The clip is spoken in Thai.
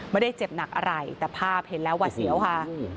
ไม่ได้เจ็บหนักอะไรแต่ภาพเห็นแล้วหวัดเสียวค่ะ